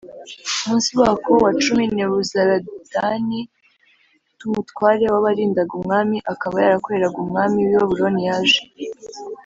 munsi wako wa cumi Nebuzaradani t umutware w abarindaga umwami akaba yarakoreraga umwami w i Babuloni yaje